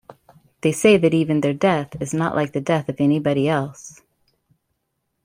They say that even their death is not like the death of anybody else.